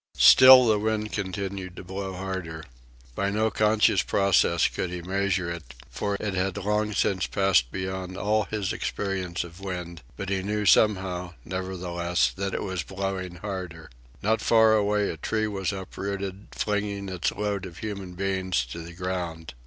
Still the wind continued to blow harder. By no conscious process could he measure it, for it had long since passed beyond all his experience of wind; but he knew somehow, nevertheless, that it was blowing harder. Not far away a tree was uprooted, flinging its load of human beings to the ground.